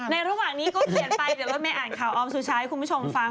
ระหว่างนี้ก็เขียนไปเดี๋ยวรถเมย์อ่านข่าวออมสุชาให้คุณผู้ชมฟัง